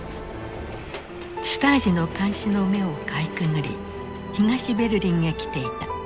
シュタージの監視の目をかいくぐり東ベルリンへ来ていた。